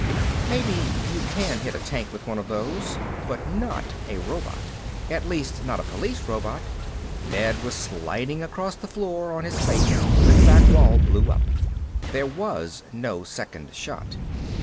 Maybe you can hit a tank with one of those. But not a robot. At least not a police robot. Ned was sliding across the floor on his face when the back wall blew up. There was no second shot.